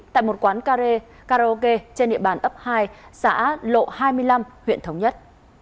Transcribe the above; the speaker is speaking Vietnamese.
tại một quán karaoke trên địa bàn ấp hai xã lộ hai mươi năm huyện thống nhất